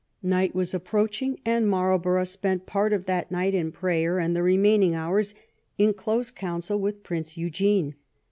Night was ap proaching, and Marlborough spent part of that night in prayer and the remaining hours in close counsel with Prince Eugene.